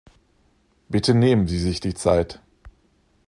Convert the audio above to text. Bitte nehmen Sie sich die Zeit.